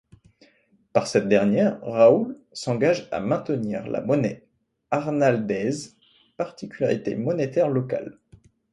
Par cette dernière, Raoul s'engage à maintenir la monnaie arnaldaise, particularité monétaire locale.